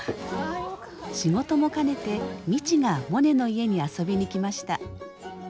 仕事も兼ねて未知がモネの家に遊びに来ました。